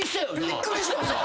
びっくりしました。